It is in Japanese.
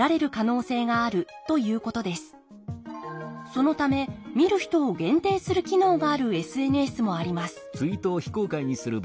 そのため見る人を限定する機能があるＳＮＳもあります